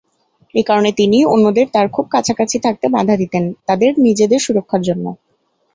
এ কারণে তিনি অন্যদের তার খুব কাছাকাছি থাকতে বাধা দিতেন, তাদের নিজেদের সুরক্ষার জন্য।